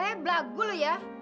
eh belagu lu ya